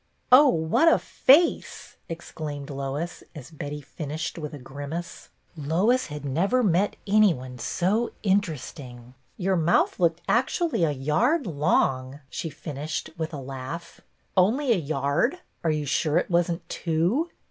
" Oh, what a face !" exclaimed Lois, as Betty finished with a grimace. Lois had riever met any one so interesting. "Your BETTY BAIRD 84 mouth looked actually a yard long," she finished, with a laugh. "Only a yard.f* Are you sure it wasn't two?"